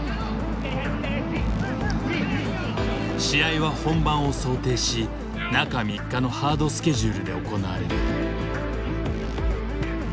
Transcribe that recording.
試合は本番を想定し中３日のハードスケジュールで行われる。